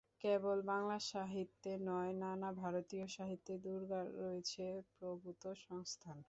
কেবল বাংলা সাহিত্যে নয়, নানা ভারতীয় সাহিত্যে দুর্গার রয়েছে প্রভূত সংস্থান।